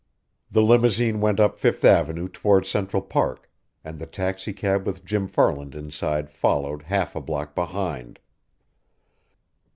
The limousine went up Fifth Avenue toward Central Park, and the taxicab with Jim Farland inside followed half a block behind.